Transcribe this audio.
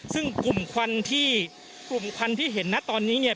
ซึ่งกลุ่มควันที่กลุ่มควันที่เห็นนะตอนนี้เนี่ย